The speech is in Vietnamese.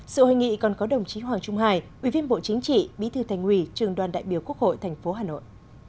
sự hội nghị còn có đồng chí hoàng trung hải ubđc bí thư thành huy trường đoàn đại biểu quốc hội tp hà nội